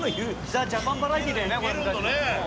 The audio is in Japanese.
ザ・ジャパンバラエティーだよね。